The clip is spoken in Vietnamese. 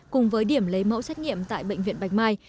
cùng với điểm lấy mẫu xét nghiệm tại bệnh viện bạch mai